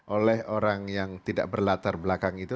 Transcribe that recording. oleh orang yang tidak berlatar belakang itu